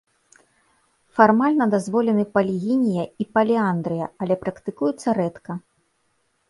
Фармальна дазволены палігінія і паліандрыя, але практыкуюцца рэдка.